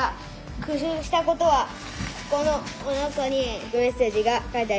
工夫したことはこのおなかにメッセージが書いてあります。